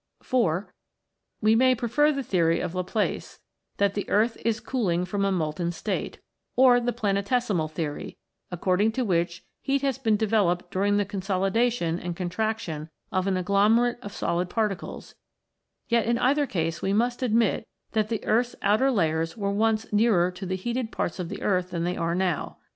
(iv) We may prefer the theory of Laplace, that the earth is cooling from a molten state; or the planetesimal theory, according to which heat has been developed during the consolidation and con traction of an agglomerate of solid particles; yet in either case we must admit that the earth's outer layers were once nearer to the heated parts of the earth than they are now.